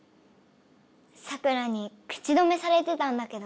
サクラに口止めされてたんだけど。